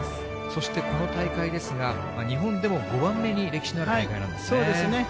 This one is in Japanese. そしてこの大会ですが、日本でも５番目に歴史のある大会なんそうですね。